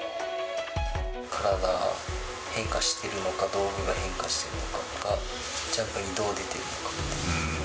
体が変化してるのか、道具が変化しているのか、ジャンプにどう出ているのか。